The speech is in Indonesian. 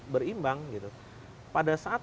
berimbang gitu pada saat